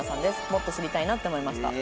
「もっと知りたいなって思いました」。